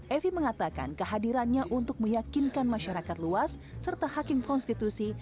evi mengatakan kehadirannya untuk meyakinkan masyarakat luas serta hakim konstitusi